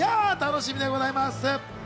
楽しみでございます。